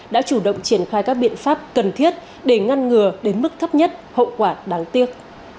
đã chủ động triển khai các biện pháp cần thiết để ngăn ngừa đến mức thấp nhất hậu quả đáng tiếc